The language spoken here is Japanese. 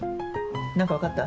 何かわかった？